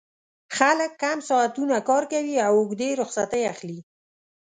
خلک کم ساعتونه کار کوي او اوږدې رخصتۍ اخلي